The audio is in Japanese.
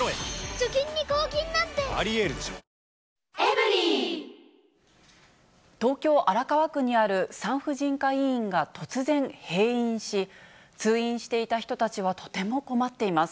メールでお知らせが来て、東京・荒川区にある産婦人科医院が突然、閉院し、通院していた人たちはとても困っています。